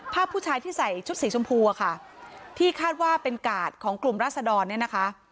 ผู้ชายที่ใส่ชุดสีชมพูอะค่ะที่คาดว่าเป็นกาดของกลุ่มราศดรเนี่ยนะคะ